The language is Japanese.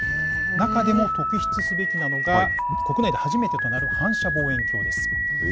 中でも特筆すべきなのが、国内で初めてとなる反射望遠鏡です。